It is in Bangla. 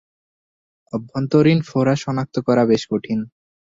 অভ্যন্তরীণ ফোড়া শনাক্ত করা বেশ কঠিন।